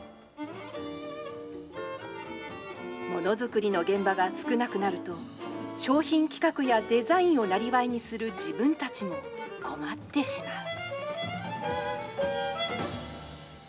物作りの現場が少なくなると、商品企画やデザインをなりわいにする自分たちも困ってしまう。